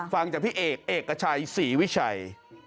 ฟังจากพี่เอกเอกชัยศรีวิชัย